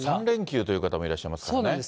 ３連休という方もいらっしゃいますからね。